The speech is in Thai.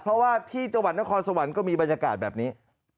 เพราะว่าที่จังหวัดนครสวรรค์ก็มีบรรยากาศแบบนี้